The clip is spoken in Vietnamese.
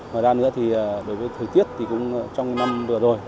ngoài ra nữa thì đối với thời tiết thì cũng trong năm vừa rồi